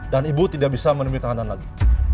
dan ibu tidak bisa menemui tahanan lagi